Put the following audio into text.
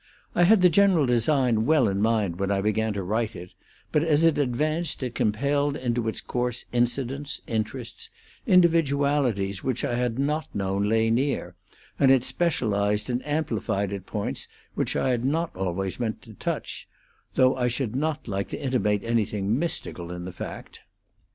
I had the general design well in mind when I began to write it, but as it advanced it compelled into its course incidents, interests, individualities, which I had not known lay near, and it specialized and amplified at points which I had not always meant to touch, though I should not like to intimate anything mystical in the fact.